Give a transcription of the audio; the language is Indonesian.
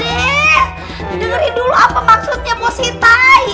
dengar dulu apa maksudnya posi tai